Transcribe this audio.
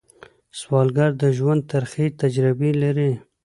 سوالګر د ژوند ترخې تجربې لري